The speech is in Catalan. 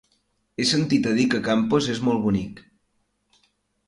He sentit a dir que Campos és molt bonic.